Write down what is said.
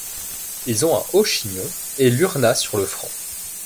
Ils ont un haut chignon et l'urna sur le front.